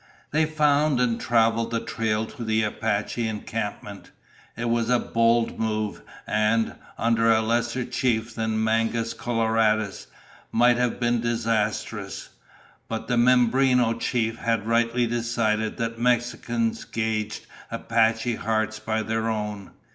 They found and traveled the trail to the Apache encampment. It was a bold move and, under a lesser chief than Mangus Coloradus, might have been disastrous. But the Mimbreno chief had rightly decided that Mexicans gauged Apache hearts by their own.